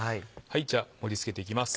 じゃあ盛り付けていきます。